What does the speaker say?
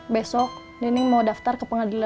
besok neneng mau daftar ke pengadilan agama